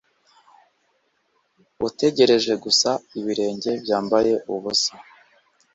utegereje gusa ibirenge byambaye ubusa.